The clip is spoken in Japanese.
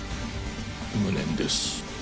無念です